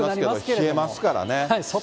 冷えますからね。